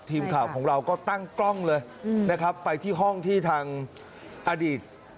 ทีมข่าวของเราก็ตั้งกล้องเลยนะครับไปที่ห้องที่ทางอดีต